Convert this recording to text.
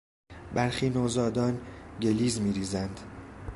برخی نوزادان گلیز میریزند.